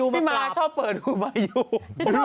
พี่ม้าชอบเปิดหูมายู